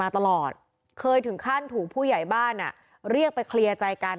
ตลอดเคยถึงขั้นถูกผู้ใหญ่บ้านเรียกไปเคลียร์ใจกัน